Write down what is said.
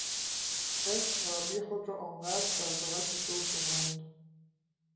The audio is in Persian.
خرس مربی خود را آنقدر در بغل فشرد که مرد.